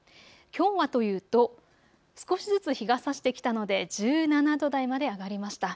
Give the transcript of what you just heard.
きょうはというと、少しずつ日がさしてきたので１７度台まで上がりました。